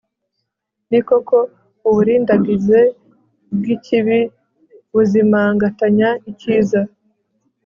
ni koko, uburindagize bw'ikibi buzimangatanya icyiza